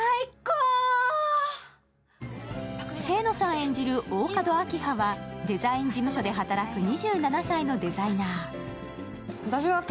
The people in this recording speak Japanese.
演じる大加戸明葉はデザイン事務所で働く２７歳のデザイナー。